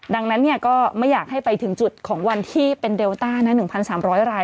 ดังนั้นก็ไม่อยากให้ไปถึงจุดของวันที่เป็นเดลต้านะ๑๓๐๐ราย